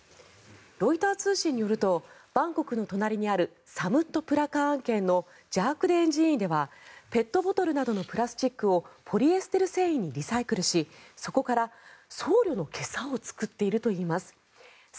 ロイター通信によるとバンコクの隣にあるサムット・プラカーン県のジャークデーン寺院ではペットボトルなどのプラスチックをポリエステル繊維にリサイクルしそこから僧侶の袈裟を作っているといいます。